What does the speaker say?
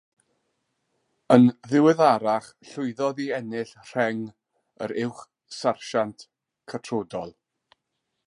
Yn ddiweddarach llwyddodd i ennill rheng yr uwch-sarsiant catrodol.